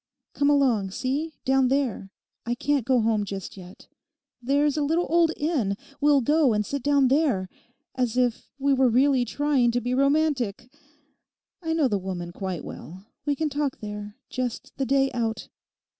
Come along, see, down there. I can't go home just yet. There's a little old inn—we'll go and sit down there—as if we were really trying to be romantic! I know the woman quite well; we can talk there—just the day out.